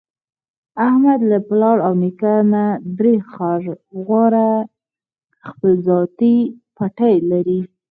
احمد له پلار او نیکه نه درې خرواره خپل ذاتي پټی لري.